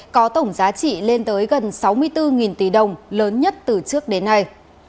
có tổng giá trị lên tới gần sáu mươi bốn tỷ đồng lớn nhất từ trước đến nay